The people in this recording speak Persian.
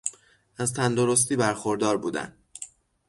از تندرستی برخوردار بودن